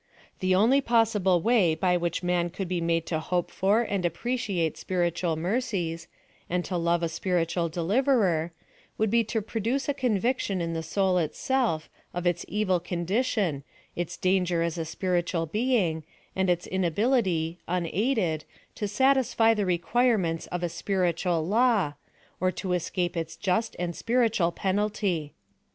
The only possible way by which man could be made to hope for and appreciate spiritual mercies, and to love a spiritnal deliverer, would be to produce a conviction in the soul itself of its evil condition, its danger as a spiritual being, and its inability, unaided, to satisfy the requirements of a spiritual law^ or to escape its just and spiritual penalty.